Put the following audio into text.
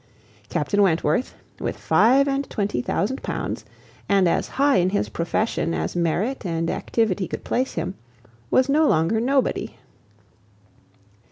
Captain Wentworth, with five and twenty thousand pounds, and as high in his profession as merit and activity could place him, was no longer nobody.